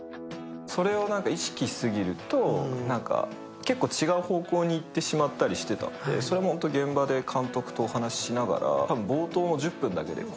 それを意識しすぎると、結構違う方向にいってしまったりしてたんで、それも現場で監督とお話しながら。